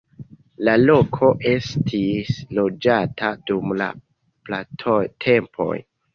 La loko estis loĝata dum la pratempoj.